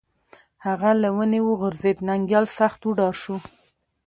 هغه له ونې وغورځېد، ننگيال سخت وډار شو